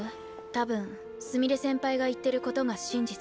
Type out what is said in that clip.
多分すみれ先輩が言ってることが真実。